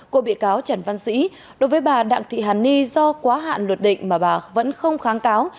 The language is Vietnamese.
của bị cáo trần văn sĩ đối với bà đặng thị hàn ni do quá hạn luật định mà bà vẫn không kháng cáo